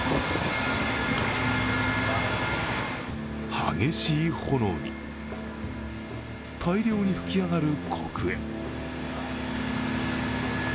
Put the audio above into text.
激しい炎に、大量に噴き上がる黒煙。